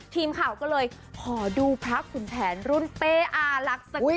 ทีมข่าวก็เลยขอดูพระขุนแผนรุ่นเป้อารักสักนิด